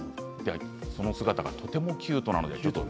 その姿がとてもキュートです。